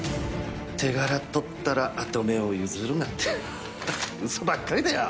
・手柄とったら跡目を譲るなんて嘘ばっかりだよ！